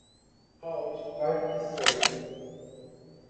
mal de parkinson